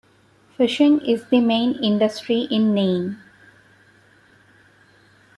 Fishing is the main industry in Nain.